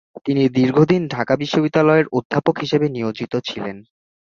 তিনি দীর্ঘদিন ঢাকা বিশ্ববিদ্যালয়ের অধ্যাপক হিসেবে নিয়োজিত ছিলেন।